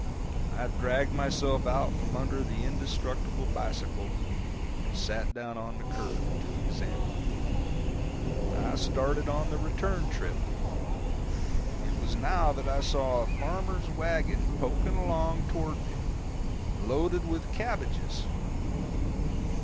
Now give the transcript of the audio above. I dragged myself out from under the indestructible bicycle and sat down on the curb to examine. I started on the return trip. It was now that I saw a farmer's wagon poking along down toward me, loaded with cabbages.